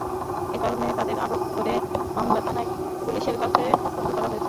এ কারণে তাঁদের আটক করে মংলা থানার পুলিশের কাছে হস্তান্তর করা হয়েছে।